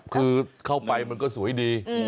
คือเข้าไปมันก็สวยดี